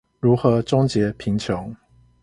如何終結貧窮？